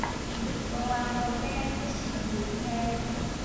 無冤無家，不成夫妻